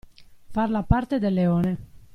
Far la parte del leone.